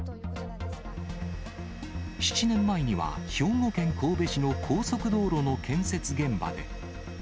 ７年前には兵庫県神戸市の高速道路の建設現場で。